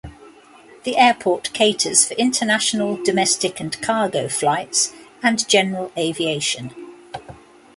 The airport caters for international, domestic and cargo flights and general aviation.